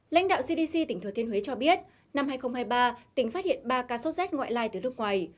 lãnh đạo cdc tỉnh thừa thiên huế cho biết năm hai nghìn hai mươi ba tỉnh phát hiện ba ca sốt z ngoại lai từ nước ngoài